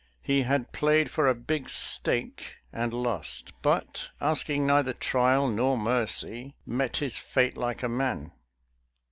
He had played for a big stake and lost, but, asking neither trial nor mercy, met his fate like a man.